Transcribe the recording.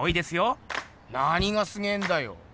なにがすげえんだよ？